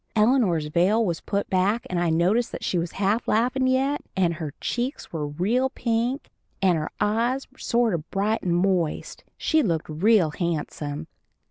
Eleanor's veil was put back, and I noticed that she was half laughin' yet, and her cheeks were real pink, and her eyes sort of bright and moist she looked real handsome.